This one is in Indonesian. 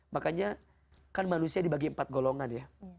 makanya kan manusia dibagi empat golongan ya